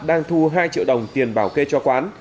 đang thu hai triệu đồng tiền bảo kê cho quán